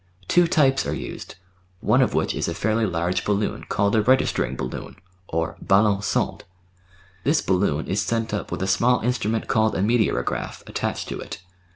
Two types are used, one of which is a fairly large balloon called a registering balloon or "ballon sonde"; this bal loon is sent up with a small instrument called a "meteorograph" attached to it.